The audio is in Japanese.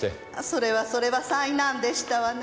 それはそれは災難でしたわねぇ。